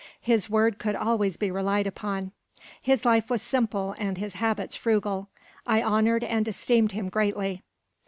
His word could always be relied upon. His life was simple, and his habits frugal. I honoured and esteemed him, greatly."